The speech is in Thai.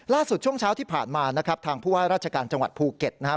ช่วงเช้าที่ผ่านมานะครับทางผู้ว่าราชการจังหวัดภูเก็ตนะครับ